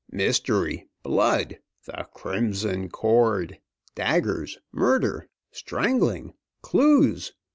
"Mystery! Blood! 'The Crimson Cord.' Daggers! Murder! Strangling! Clues!